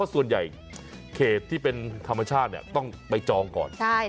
เพราะส่วนใหญ่เขตที่เป็นธรรมชาติเนี้ยต้องไปจองก่อนใช่